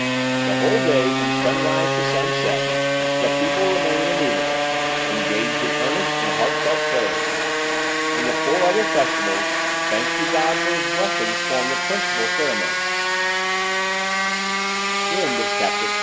The whole day, from sunrise to sunset, the people remain immovable, engaged in earnest and heart felt prayer. In the four other festivals, thanks to God for his blessings form the principal ceremonies. CHAPTER VII.